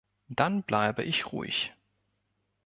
Dann bleibe ich ruhig.